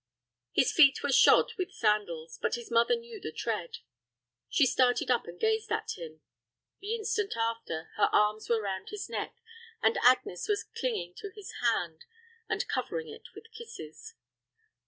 His feet were shod with sandals; but his mother knew the tread. She started up and gazed at him. The instant after, her arms were round his neck, and Agnes was clinging to his hand and covering it with kisses.